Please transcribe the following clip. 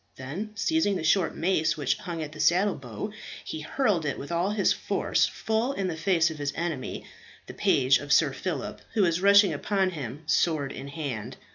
Then seizing the short mace which hung at the saddle bow, he hurled it with all his force full in the face of his enemy, the page of Sir Philip, who was rushing upon him sword in hand.